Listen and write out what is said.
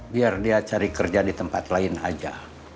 biar dia cari kerja di tempat lain aja